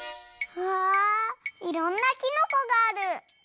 わあいろんなきのこがある！